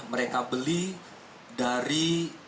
mereka beli dari